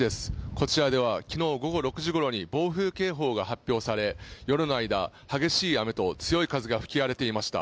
こちらでは昨日６時ごろに暴風警報が発表され、夜の間、激しい雨と強い風が吹き荒れていました。